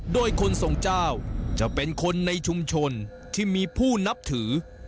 โดยคนทรงเจ้าจะเป็นคนในชุมชนที่มีผู้นับถือ